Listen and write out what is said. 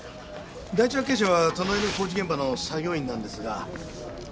第一発見者は隣の工事現場の作業員なんですが。